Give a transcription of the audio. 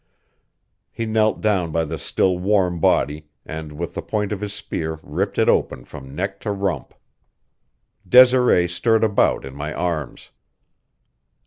He knelt down by the still warm body and with the point of his spear ripped it open from neck to rump. Desiree stirred about in my arms.